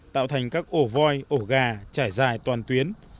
tạo thành các ổ voi ổ gà trải dài toàn tuyến